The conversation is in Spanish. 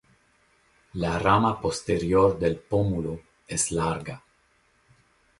La rama posterior del pómulo es larga.